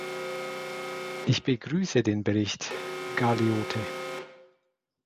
Ich begrüße den Bericht Galeote.